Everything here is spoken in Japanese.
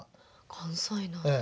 関西なんだ。